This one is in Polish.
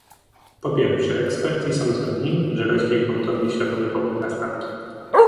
Po pierwsze, eksperci są zgodni, że rośnie gwałtownie światowy popyt na statki